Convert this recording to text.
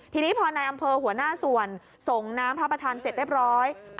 ทีนี้พอในอำเภอหัวหน้าส่วนส่งน้ำพระประธานเสร็จเรียบร้อย